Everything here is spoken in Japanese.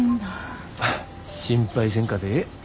心配せんかてええ。